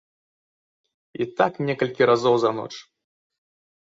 І так некалькі разоў за ноч.